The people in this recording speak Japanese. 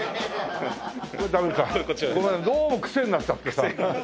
ダメかごめんどうもクセになっちゃってさ。